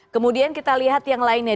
kemudian kita lihat yang lainnya